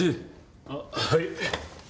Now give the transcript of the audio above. あっはい。